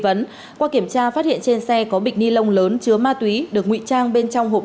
vấn qua kiểm tra phát hiện trên xe có bịch ni lông lớn chứa ma túy được ngụy trang bên trong hộp